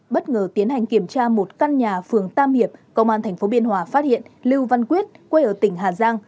bất ngờ tiến hành kiểm tra một căn nhà phường tam hiệp công an tp biên hòa phát hiện lưu văn quyết quê ở tỉnh hà giang